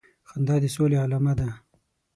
خندا د سولي علامه ده